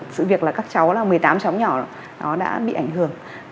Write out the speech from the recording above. sự việc là các cháu là một mươi tám cháu nhỏ đã bị ảnh hưởng